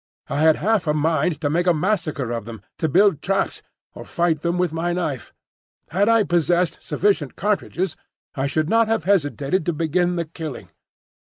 I had half a mind to make a massacre of them; to build traps, or fight them with my knife. Had I possessed sufficient cartridges, I should not have hesitated to begin the killing.